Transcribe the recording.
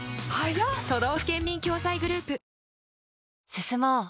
進もう。